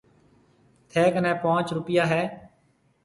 ٿَي ڪنَي پونچ روپيا هيَ۔